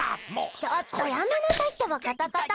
ちょっとやめなさいってばカタカタ！